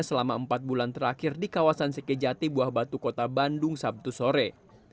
selama empat bulan terakhir di kawasan sekejati buah batu kota bandung sabtu sore